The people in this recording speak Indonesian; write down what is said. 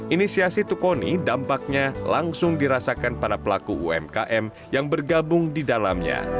inisiasi tukoni dampaknya langsung dirasakan para pelaku umkm yang bergabung di dalamnya